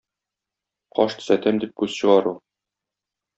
Каш төзәтәм дип күз чыгару